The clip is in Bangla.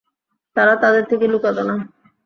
তারা তাদের থেকে লুকাত না।